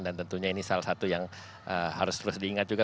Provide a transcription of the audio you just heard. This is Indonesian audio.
tentunya ini salah satu yang harus terus diingat juga